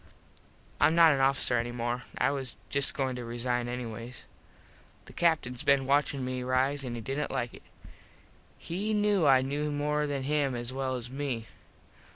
Im not an officer any more. I was just goin to resine anyways. The Captins been watchin me rise an he didnt like it. He knew I knew more than him as well as me.